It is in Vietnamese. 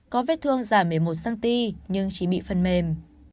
có vết thương giảm một mươi một cm nhưng chỉ bị phần mềm